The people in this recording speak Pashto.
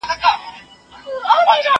زه به سبا ته فکر کوم؟!